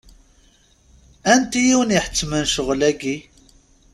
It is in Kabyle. Anti i wen-iḥettmen ccɣel-agi?